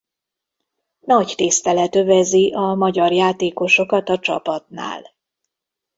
Nagy tisztelet övezi a magyar játékosokat a csapatnál.